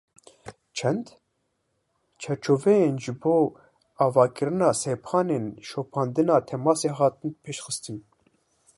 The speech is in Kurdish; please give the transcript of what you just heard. Çend çarçoveyên ji bo avakirina sepanên şopandina temasê hatin pêşxistin.